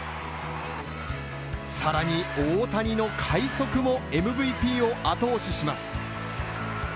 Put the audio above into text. さらに大谷の快足もＭＶＰを後押しします。